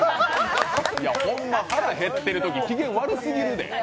ほんま、腹減ってるとき機嫌悪すぎるで。